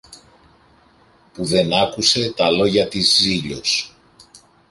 που δεν άκουσε τα λόγια της Ζήλιως.